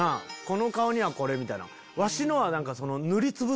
この顔にはこれ！みたいな。